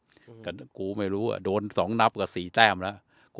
แต่กูไม่รู้อ่ะโดน๒นับกับสี่แต้มแล้ว